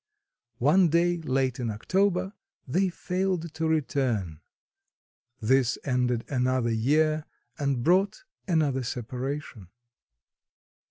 One day late in October they failed to return; this ended another year and brought another separation.